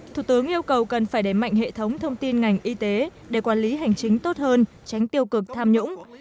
thủ tướng yêu cầu cần phải đẩy mạnh hệ thống thông tin ngành y tế để quản lý hành chính tốt hơn tránh tiêu cực tham nhũng